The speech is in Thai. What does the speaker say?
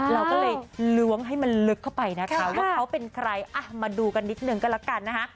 เราก็เลยล้วงให้มันลึกเข้าไปนะคะว่าเขาเป็นใครอ่ะมาดูกันนิดนึงก็แล้วกันนะคะ